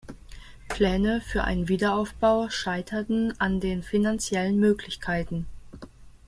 Pläne für einen Wiederaufbau scheiterten an den finanziellen Möglichkeiten.